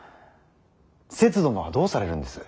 せつ殿はどうされるんです。